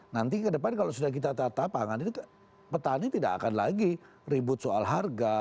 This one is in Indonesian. nanti ke depan kalau sudah kita tata pangan itu petani tidak akan lagi ribut soal harga